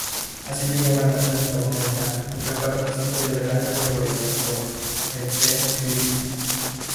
Así llegó a ganarse su confianza y fue partícipe del gran descubrimiento, el T-Virus.